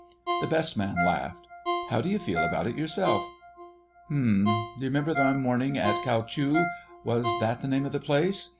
The Best Man laughed. "How d'you feel about it yourself?" "H'm.... D'you remember one morning at Kao chu—was that the name of the place?